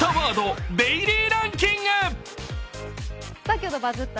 今日の「バズった」